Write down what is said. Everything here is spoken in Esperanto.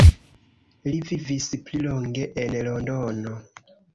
Li vivis pli longe en Londono.